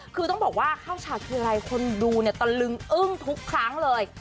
คือต้องบอกว่าเข้าฉากทีไรคนดูเนี่ยตะลึงอึ้งทุกครั้งเลย